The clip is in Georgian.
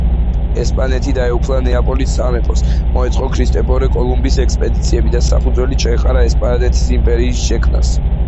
ესპანეთი დაეუფლა ნეაპოლის სამეფოს, მოეწყო ქრისტეფორე კოლუმბის ექსპედიციები და საფუძველი ჩაეყარა ესპანეთის იმპერიის შექმნას.